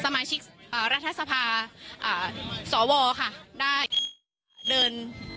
สมาชิกอ่ารัฐสะพาอ่าสอวค่ะได้